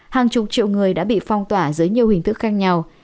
hàng chục triệu người đã bị phong tỏa dưới nhiều hình thức khác nhau